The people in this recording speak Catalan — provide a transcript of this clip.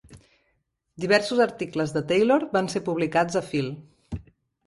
Diversos articles de Taylor van ser publicats a Phil.